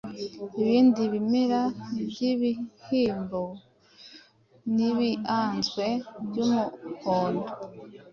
Ibindi bimera byibihyimbo nibianzwe byumuhondo,